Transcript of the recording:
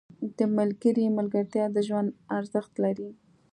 • د ملګري ملګرتیا د ژوند ارزښت لري.